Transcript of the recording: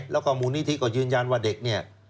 แล้วก็มูลนิธิก็ยืนยันว่าเด็กเนี่ย